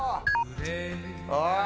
おい！